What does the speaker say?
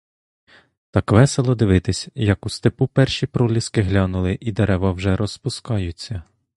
Так весело дивитися, як у степу перші проліски глянули і дерева вже розпускаються.